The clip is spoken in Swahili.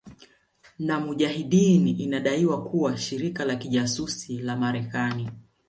na mujahideen inadaiwa kuwa shirika la kijasusi la Marekani